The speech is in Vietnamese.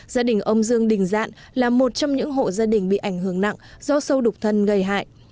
gia đình ông dương đình dạn là một trong những hộ gia đình bị ảnh hưởng nặng do sâu đục thân gây hại